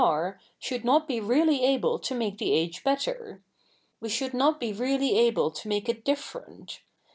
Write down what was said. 'e, should ?iot be really able to 7nake the age better. We should not be really able to 7?iake it diffe7'etit.